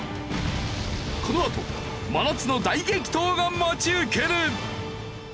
このあと真夏の大激闘が待ち受ける！